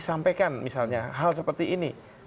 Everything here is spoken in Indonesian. disampaikan misalnya hal seperti ini